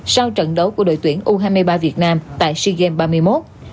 sau trận đấu của đội tuyển u hai mươi ba việt nam tại sea games ba mươi một